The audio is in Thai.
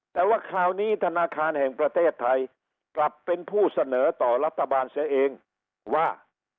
แต่ว่าคราวนี้ธนาคารแห่งประเทศไทยกลับเป็นผู้เสนอต่อรัฐบาลเสียเองว่า